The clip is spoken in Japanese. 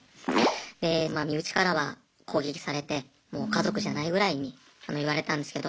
で身内からは攻撃されてもう家族じゃないぐらいに言われたんですけど。